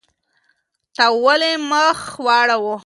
تا ولې مخ واړاوه؟